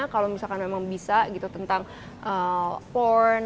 kalau misalkan memang bisa gitu tentang form